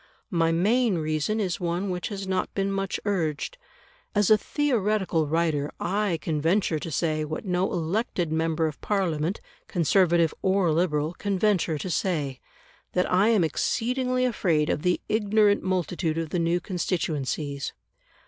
My main reason is one which has not been much urged. As a theoretical writer I can venture to say, what no elected member of Parliament, Conservative or Liberal, can venture to say, that I am exceedingly afraid of the ignorant multitude of the new constituencies.